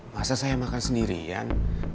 masa saya makan sendirian